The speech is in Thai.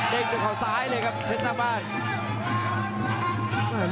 เด้งด้วยของซ้ายเลยครับเพชรตั้งบ้าน